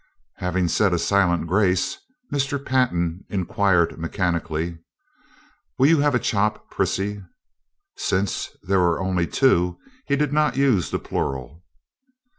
Having said a silent grace, Mr. Pantin inquired mechanically: "Will you have a chop, Prissy?" Since there were only two he did not use the plural.